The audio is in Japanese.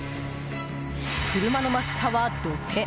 車の真下は土手。